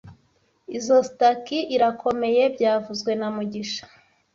Izoi staki irakomeye byavuzwe na mugisha